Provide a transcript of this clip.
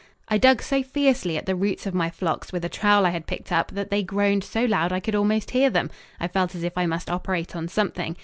I dug so fiercely at the roots of my phlox with a trowel I had picked up that they groaned so loud I could almost hear them. I felt as if I must operate on something.